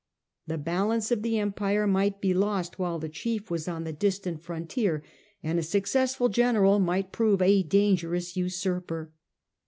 The balance of the Empire might be lost while the chief was on the distant froa 176 The Earlier Empire. tier, and a successful general might prove a dangerous usurper.